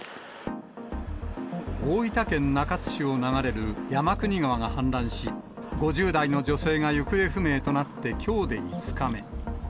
大分県中津市を流れる山国川が氾濫し、５０代の女性が行方不明となってきょうで５日目。